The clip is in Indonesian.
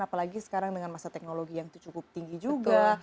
apalagi sekarang dengan masa teknologi yang cukup tinggi juga